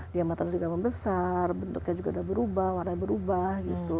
lama lama sudah membesar bentuknya juga udah berubah warnanya berubah gitu